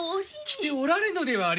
着ておられぬではありませぬか。